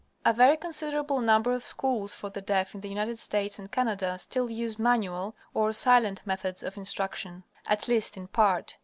A very considerable number of schools for the deaf in the United States and Canada still use manual, or silent, methods of instruction, at least in part.